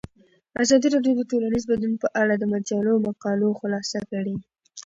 ازادي راډیو د ټولنیز بدلون په اړه د مجلو مقالو خلاصه کړې.